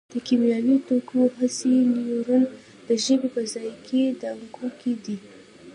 د کیمیاوي توکو حسي نیورون د ژبې په ذایقې دانکو کې دي.